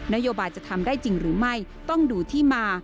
โยบายจะทำได้จริงหรือไม่ต้องดูที่มา